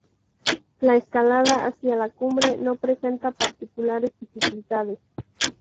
La escalada hacia la cumbre no presenta particulares dificultades.